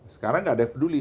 sekarang nggak ada yang peduli